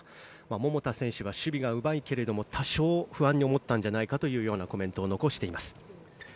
桃田選手は守備がうまいけど多少不安に思ったんじゃないかというようなコメントを残しています。